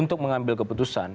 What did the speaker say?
untuk mengambil keputusan